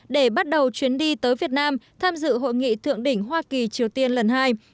để bắt đầu chuyến đi tới việt nam tham dự hội nghị thượng đỉnh hoa kỳ triều tiên lần hai